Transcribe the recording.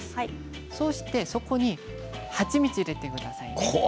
そして、そこに蜂蜜を入れてくださいね。